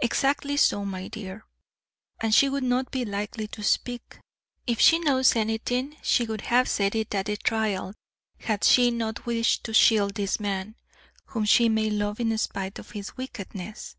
"Exactly so, my dear." "And she would not be likely to speak. If she knows anything she would have said it at the trial had she not wished to shield this man, whom she may love in spite of his wickedness."